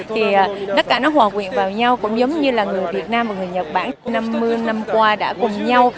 thì tất cả nó hòa quyện vào nhau cũng giống như là người việt nam và người nhật bản năm mươi năm qua đã cùng nhau